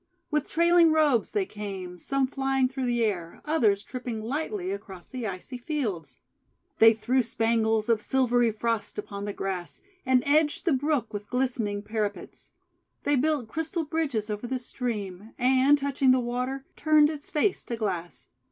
With trailing robes they came, some flying through the air, others tripping lightly across the icy fields. They threw spangles of silvery Frost upon the grass, and edged the brook with glistening para pets. They built crystal bridges over the stream, and, touching the water, turned its face to glass.